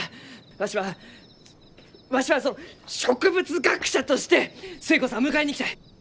わしはわしは植物学者として寿恵子さんを迎えに行きたい！